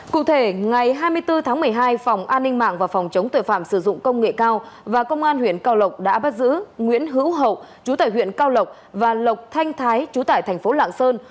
cụ thể ngày hai mươi bốn tháng một mươi hai phòng an ninh mạng và phòng chống tội phạm sử dụng công nghệ cao và công an huyện cao lộc đã bắt giữ nguyễn hữu hậu chú tại huyện cao lộc và lộc thanh thái chú tại thành phố lạng sơn